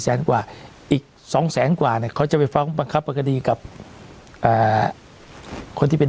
๔แสนกว่าอีกสองแสงกว่านั้นเขาจะไปฟังบังคับปยกับคนที่เป็น